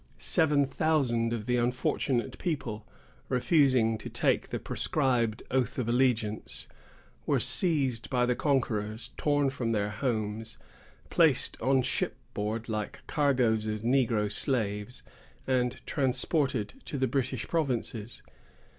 Seven thousand of the unfortunate people, refusing to take the prescribed oath of allegiance, were seized by the conquerors, torn from their homes, placed on shipboard like cargoes of negro slaves, and transported to the British provinces.